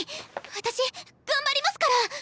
私頑張りますから！